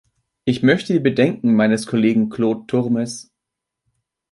Ich möchte die Bedenken meines Kollegen Claude Turmes.